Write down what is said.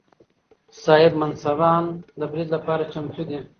صاحب منصبان د برید لپاره چمتو دي.